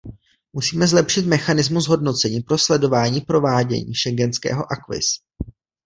Musíme zlepšit mechanismus hodnocení pro sledování provádění schengenského acquis.